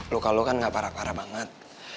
luka lu kan gak parah parah banget